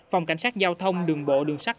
phòng cảnh sát giao thông đường bộ đường sắt